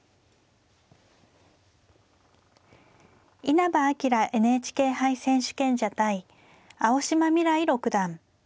稲葉陽ＮＨＫ杯選手権者対青嶋未来六段。